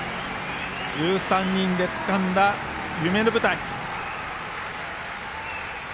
１３人でつかんだ夢の舞台。